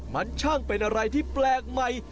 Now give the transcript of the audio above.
มันช่างเป็นอะไรที่แปลกใหม่